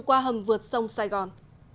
qua hầm vượt sông sài gòn